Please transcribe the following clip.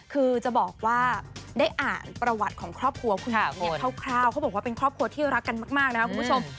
คือจะบอกว่าได้อ่านประวัติของครอบครัวคุณหญิงเนี่ยคร่าวเขาบอกว่าเป็นครอบครัวที่รักกันมากนะครับคุณผู้ชม